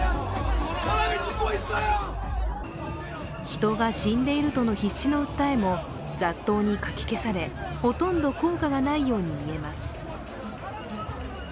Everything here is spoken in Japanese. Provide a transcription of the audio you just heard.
「人が死んでいる」との必死の訴えも雑踏にかき消され、ほとんど効果がないようにみえます。